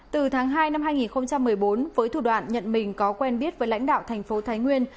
từ tháng hai năm hai nghìn một mươi bốn với thủ đoạn nhận mình có quen biết với lãnh đạo thành phố thái nguyên